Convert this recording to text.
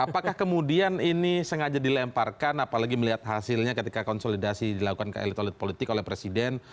apakah kemudian ini sengaja dilemparkan apalagi melihat hasilnya ketika konsolidasi dilakukan ke elit elit politik oleh presiden